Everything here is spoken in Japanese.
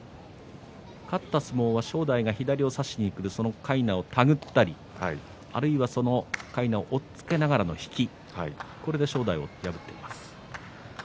勝った相撲は正代が左を差しにいってかいなを手繰ったりその、かいなを押っつけながらの引きこれで正代を破っています。